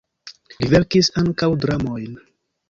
Li verkis ankaŭ dramojn.